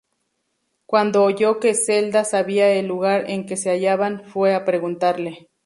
Cuando oyó que Zelda sabía el lugar en que se hallaban, fue a preguntarle.